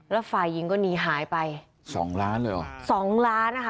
แล้วฝ่ายยิงก็หนีหายไป๒ล้านเลยหรอ๒ล้านนะคะ